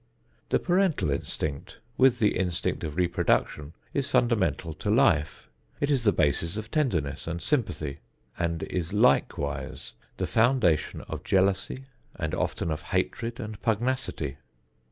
The parental instinct, with the instinct of reproduction, is fundamental to life. It is the basis of tenderness and sympathy, and is likewise the foundation of jealousy and often of hatred and pugnacity.